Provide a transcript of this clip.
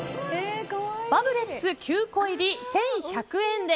バブレッツ９個入り１１００円。